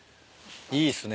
いいっすね